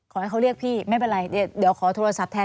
ขอให้เขาเรียกพี่ไม่เป็นไรเดี๋ยวขอโทรศัพท์แทน